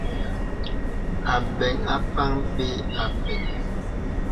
Àbə̀ŋ àpàn mpɛ̄ à pə̀k.